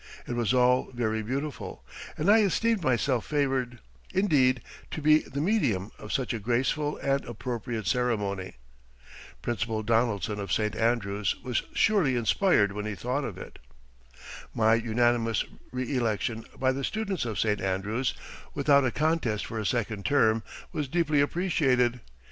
It was all very beautiful, and I esteemed myself favored, indeed, to be the medium of such a graceful and appropriate ceremony. Principal Donaldson of St. Andrews was surely inspired when he thought of it! My unanimous reëlection by the students of St. Andrews, without a contest for a second term, was deeply appreciated.